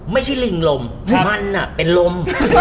ไม่ใช่ลิงลมมันอ่ะเป็นลม